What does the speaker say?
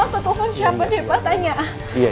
atau telfon siapa deh pak tanya